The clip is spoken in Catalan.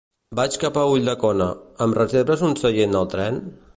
Vaig cap a Ulldecona; em reserves un seient al tren?